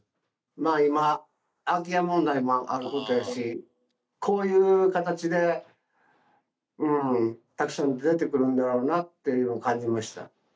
まあ今空き家問題もあることやしこういう形でたくさん出てくるんだろうなっていうのを感じました。